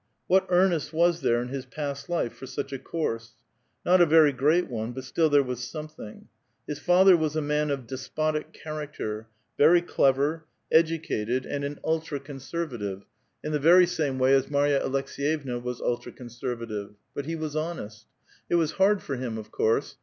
What earnest was there in his past life for such a course ? Not a very great one, but still there was something. His father was a man of doppotie character, very cbvcr, educated, and 278 A VITAL QUESTION. an ultra coDsei Vative, iu the \exy same way as Marya Alek— B^vevua was ultra couservative ; but be was bouest. It wa» kani for him, of course.